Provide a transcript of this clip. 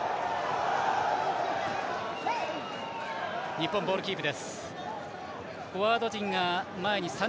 日本、ボールキープ。